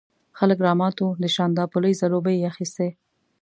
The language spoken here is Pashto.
خلک رامات وو، د شانداپولي ځلوبۍ یې اخيستې.